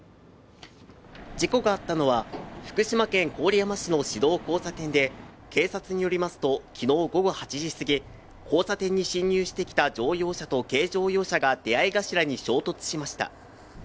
事故があったのは福島県郡山市の市道交差点で警察によりますと、昨日午後８時すぎ交差点に進入してきた乗用車と軽乗用車が出会い頭に衝突しました。